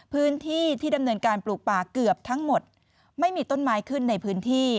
พื้นที่ที่ดำเนินการปลูกป่าเกือบทั้งหมดไม่มีต้นไม้ขึ้นในพื้นที่